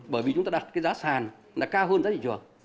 bởi vì chúng ta đặt cái giá sàn là cao hơn giá thị trường